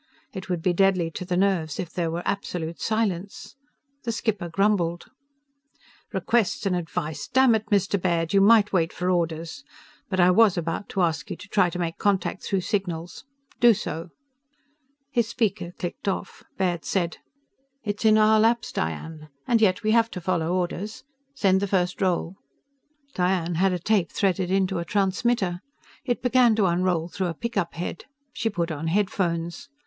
It would be deadly to the nerves if there were absolute silence. The skipper grumbled: "_Requests and advice! Dammit! Mr. Baird, you might wait for orders! But I was about to ask you to try to make contact through signals. Do so._" His speaker clicked off. Baird said: "It's in our laps. Diane. And yet we have to follow orders. Send the first roll." Diane had a tape threaded into a transmitter. It began to unroll through a pickup head. She put on headphones.